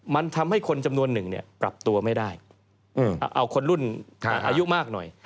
มันทำให้คนจำนวนหนึ่งปรับตัวไม่ได้เอาคนรุ่นอายุมากหน่อย